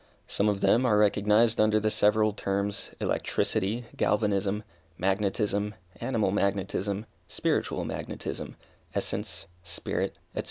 Some of them are recognized under the several terms, electricity, galvanism, magnetism, animal magnetism, spiritual magnetism, essence, spirit, &c.